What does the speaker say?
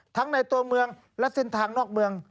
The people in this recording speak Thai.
ในตัวเมืองและเส้นทางนอกเมือง